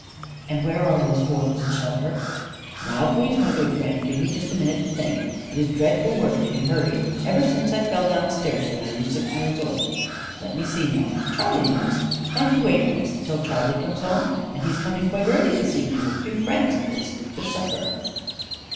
"And where are those four, Mrs. Shelfer?" "Now please, my good friend, give me just a minute to think. It is dreadful work to be hurried, ever since I fell downstairs, when I were six year old. Let me see now. Charley knows. Can't you wait, Miss, till Charley comes home, and he's coming quite early this evening, and two friends of his to supper."